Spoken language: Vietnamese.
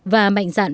và mạnh dạn